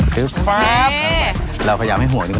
เรากระยำให้ห่วงนึกตก